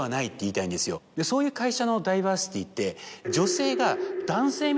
そういう会社のダイバーシティーって。